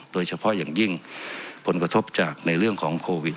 โดยเฉพาะอย่างยิ่งผลกระทบจากในเรื่องของโควิด